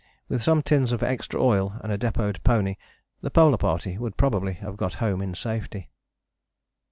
With some tins of extra oil and a depôted pony the Polar Party would probably have got home in safety.